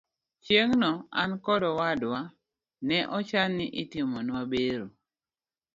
Chieng' no, an kod owadwa ne ochan ni itimonwa bero.